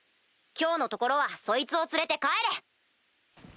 今日のところはそいつを連れて帰れ！